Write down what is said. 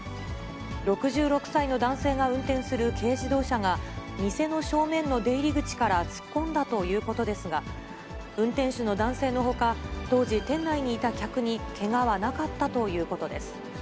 ６６歳の男性が運転する軽自動車が、店の正面の出入り口から突っ込んだということですが、運転手の男性のほか、当時、店内にいた客にけがはなかったということです。